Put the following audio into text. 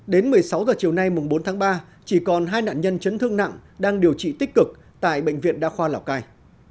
đến một mươi sáu h chiều nay bốn tháng ba chỉ còn hai nạn nhân chấn thương nặng đang điều trị tích cực tại bệnh viện đa khoa lào cai